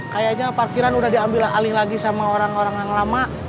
kayaknya parkiran udah diambil alih lagi sama orang orang yang lama